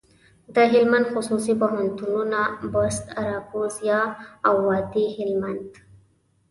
دهلمند خصوصي پوهنتونونه، بُست، اراکوزیا او وادي هلمند.